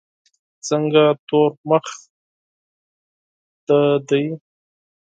څنګه تور مخ دي دی.